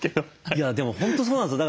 いやでも本当そうなんですよ。